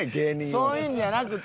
そういうんじゃなくて。